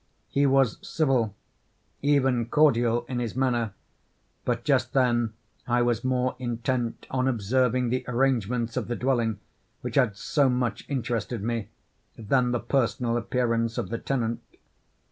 He was civil, even cordial in his manner, but just then, I was more intent on observing the arrangements of the dwelling which had so much interested me, than the personal appearance of the tenant.